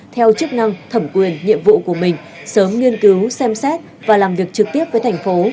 theo chức năng thẩm quyền nhiệm vụ của mình sớm nghiên cứu xem xét và làm việc trực tiếp với thành phố